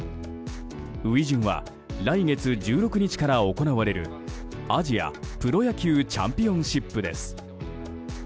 初陣は、来月１６日から行われるアジアプロ野球チャンピオンシップです。